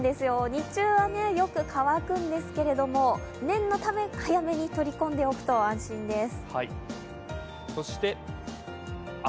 日中はよく乾くんですけれども、念のため早めに取り込んでおくと安心です。